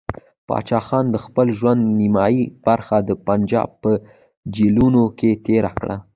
پاچا خان د خپل ژوند نیمایي برخه د پنجاب په جیلونو کې تېره کړه.